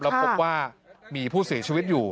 แล้วพบว่ามีผู้เสียชีวิตอยู่